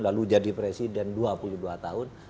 lalu jadi presiden dua puluh dua tahun